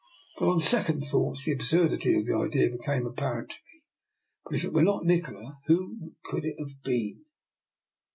But on second thoughts the absurd ity of the idea became apparent to me. But if it were not Nikola, who could it have been?